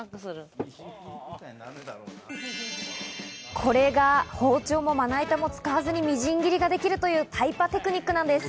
これが包丁も、まな板も使わずにみじん切りができるというタイパテクニックなんです。